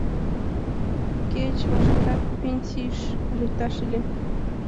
Кеч вашкерак пенсийыш лекташ ыле.